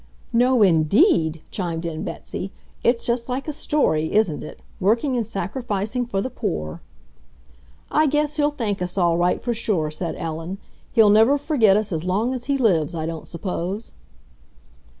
"No INDEED!" chimed in Betsy. "It's just like a story, isn't it—working and sacrificing for the poor!" "I guess he'll thank us all right for sure!" said Ellen. "He'll never forget us as long as he lives, I don't suppose."